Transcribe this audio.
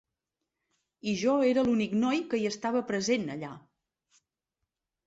I jo era l"únic noi que hi estava present allà.